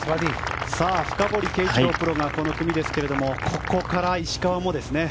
深堀圭一郎プロがこの組ですがここから石川もですね。